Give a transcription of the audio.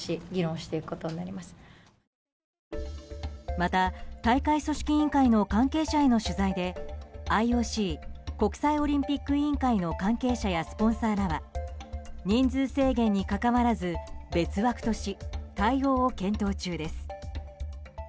また、大会組織委員会の関係者への取材でＩＯＣ・国際オリンピック委員会の関係者やスポンサーらは人数制限にかかわらず別枠とし対応を検討中です。